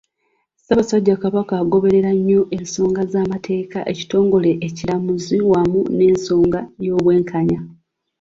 Ssaabasajja Kabaka agoberera nnyo ensonga z'amateeka, ekitongole ekiramuzi wamu n'ensonga y'Obwenkanya